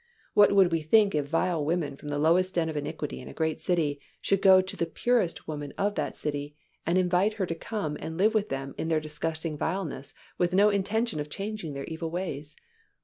What would we think if vile women from the lowest den of iniquity in a great city should go to the purest woman in the city and invite her to come and live with them in their disgusting vileness with no intention of changing their evil ways.